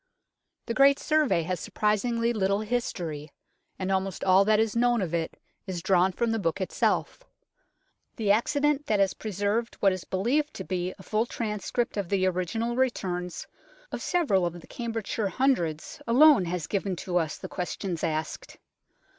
The great Survey has surprisingly little history, and almost all that is known of it is drawn from the book itself. The accident that has preserved what is believed to be a full transcript of the original returns of several of the Cambridgeshire Hundreds alone has given to us the questions asked.